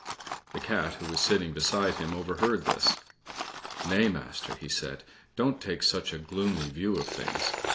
The Cat, who was sitting beside him, overheard this. "Nay, Master," he said, "don't take such a gloomy view of things.